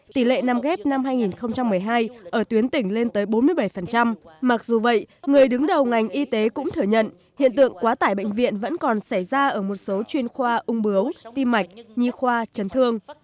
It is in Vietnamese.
tỷ lệ nằm ghép năm hai nghìn một mươi hai ở tuyến tỉnh lên tới bốn mươi bảy mặc dù vậy người đứng đầu ngành y tế cũng thừa nhận hiện tượng quá tải bệnh viện vẫn còn xảy ra ở một số chuyên khoa ung bướu